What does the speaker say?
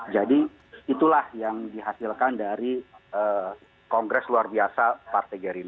jadi itulah yang dihasilkan dari kongres luar biasa partai gerindra